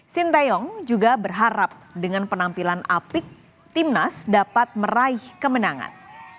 sinteyong juga berharap dengan penampilan apik timnas dapat meraih kemenangan